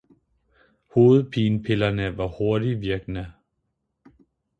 Hovedpinepillerne var hurtigtvirkende.